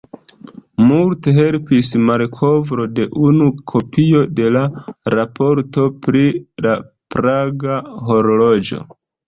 Multe helpis malkovro de unu kopio de la Raporto pri la Praga horloĝo.